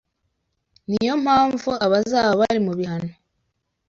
niyo mpamvu abazaba bari mu bihano